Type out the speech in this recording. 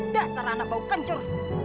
dasar anak bau kencur